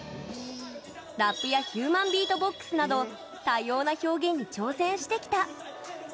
ラップやヒューマンビートボックスなど多様な表現に挑戦してきた。